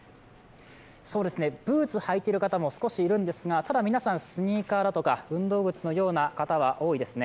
ブーツを履いている方も少しいるんですが、ただ、皆さん、スニーカーとか運動靴の方が多いですね。